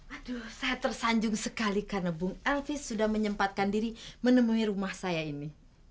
aduh saya tersanjung sekali karena bung elvi sudah menyempatkan diri menemui rumah saya ini